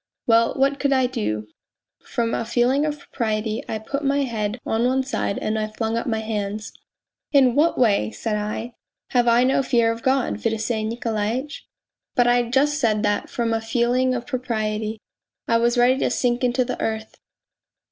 Well, what could I do ? From a feeling of propriety I put my head on one side and I flung up my hands. ' In what way,' said I, ' have I no fear of God, Fedosey Nikolaitch ?' But I just said that from a feeling of propriety ... I was ready to sink into the earth.